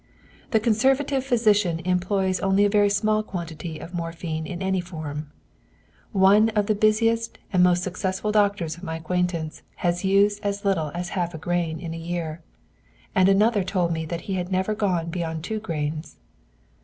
The conservative physician employs only a very small quantity of morphine in any form. One of the busiest and most successful doctors of my acquaintance has used as little as half a grain a year, and another told me he had never gone beyond two grains.